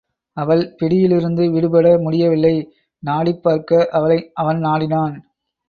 அவள் பிடியிலிருந்து விடுபட முடியவில்லை நாடி பார்க்க அவளை அவன் நாடினான்.